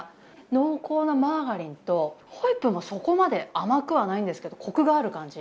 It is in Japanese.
濃厚なマーガリンとホイップもそこまで甘くはないんですけどコクがある感じ。